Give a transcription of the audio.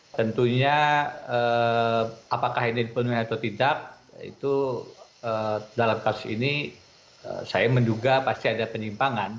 tentunya apakah ini dipenuhi atau tidak itu dalam kasus ini saya menduga pasti ada penyimpangan